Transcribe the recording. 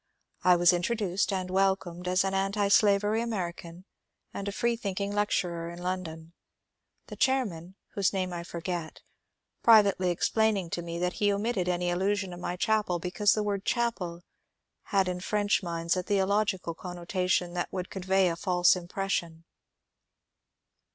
I was introduced and welcomed as an antislavery American and a freethinking lecturer in London ; the chair man (whose name I forget) privately explaining to me that he omitted any allusion to my chapel because the word '^ ohapel " had in French minds a theological connotation and would con vey a false impression.